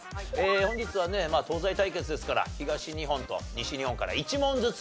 本日はねまあ東西対決ですから東日本と西日本から１問ずつお出しします。